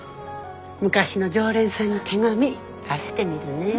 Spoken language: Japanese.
昔の常連さんに手紙出してみるね。